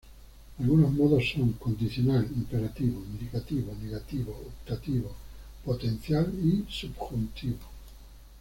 Algunos modos son: condicional, imperativo, indicativo, negativo, optativo, potencial y subjuntivo.